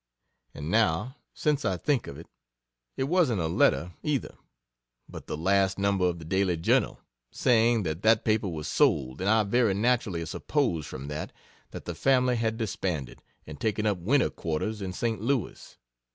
And now, since I think of it, it wasn't a letter, either, but the last number of the "Daily Journal," saying that that paper was sold, and I very naturally supposed from that, that the family had disbanded, and taken up winter quarters in St. Louis.